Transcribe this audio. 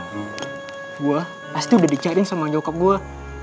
gue pasti udah dicariin sama nyokap gue